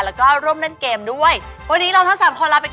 แล้วก็ร่วมด้านเกมด้วยวันนี้เราทั้ง๓คนลาไปก่อนนะคะสวัสดีค่ะ